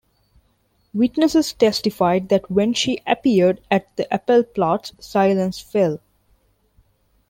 Witnesses testified that when she appeared at the "Appellplatz", "silence fell.